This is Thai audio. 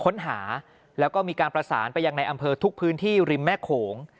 ค้นหาแล้วก็มีการประสานไปยังในอำเภอทุกพื้นที่ริมแม่โขง